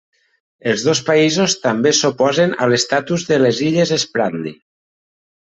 Els dos països també s'oposen a l'estatus de les illes Spratly.